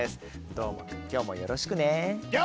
どーもくん、今日もよろしくね。